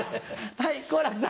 はい。